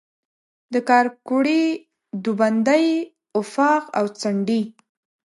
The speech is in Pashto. د کارکوړي، دوبندۍ آفاق او څنډي